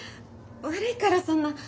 悪いからそんな。